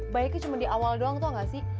baiknya cuma di awal doang tuh gak sih